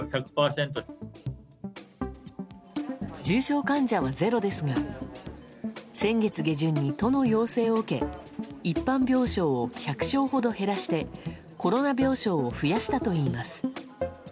重症患者はゼロですが先月下旬に都の要請を受け一般病床を１００床ほど減らしてコロナ病床を増やしたといいます。